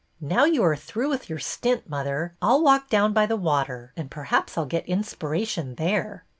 Now you are through with your stint, mother, I 'll walk down by the water, and perhaps I 'll get inspiration there."